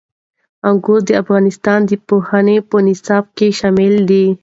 انګور د افغانستان د پوهنې په نصاب کې شامل دي.